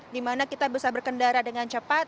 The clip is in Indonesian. di mana kita bisa berkendara dengan cepat